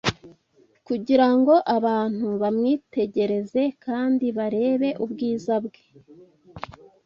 kugira ngo abantu bamwitegereze kandi barebe ubwiza bwe.